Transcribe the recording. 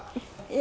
え！